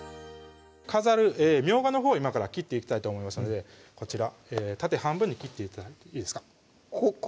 飾るみょうがのほう今から切っていきたいと思いますのでこちら縦半分に切って頂いていいですか？